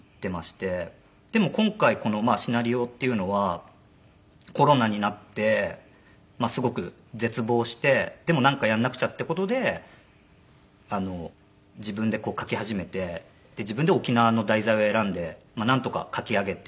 でも今回このシナリオっていうのはコロナになってすごく絶望してでもなんかやらなくちゃって事で自分で書き始めて自分で沖縄の題材を選んでなんとか書き上げて。